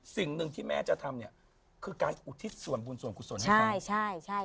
สิ่งหนึ่งที่แม่จะทำเนี่ยคือการอุทิศส่วนบุญส่วนกุศลให้ใครใช่ใช่